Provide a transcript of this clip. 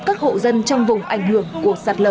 các hộ dân trong vùng ảnh hưởng của sạt lở